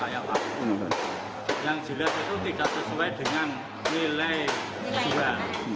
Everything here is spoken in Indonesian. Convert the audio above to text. yang jelas itu tidak sesuai dengan nilai jual